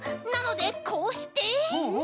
なのでこうして。